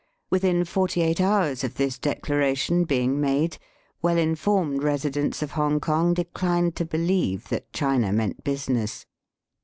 Within forty eight hours of this declaration being made, well informed residents of Hong kong declined to believe that China meant business.